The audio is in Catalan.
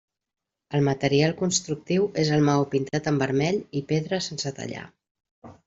El material constructiu és el maó pintat en vermell i pedra sense tallar.